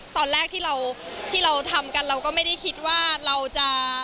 ตอนแรกที่เราที่เราทำกันเราก็ไม่ได้คิดว่าเราจะ